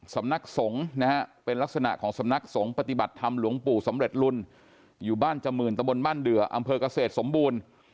สำนักสงฆ์นะฮะเป็นลักษณะของสำนักสงฆ์ปฏิบัติธรรมหลวงปู่สำเร็จลุนอยู่บ้านจมื่นตะบนบ้านเดืออำเภอกเกษตรสมบูรณ์